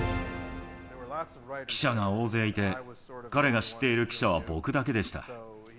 記者が大勢いて、彼が知っている記者は僕だけでした。